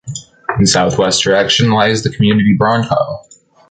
In South-West direction lies the community Bronkow.